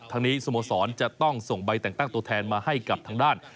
ทางนี้สโมสรจะต้องส่งใบแต่งตั้งตัวแทนมาให้กับทางด้าน